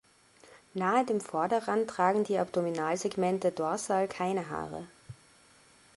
Nahe dem Vorderrand tragen die Abdominalsegmente dorsal keine Haare.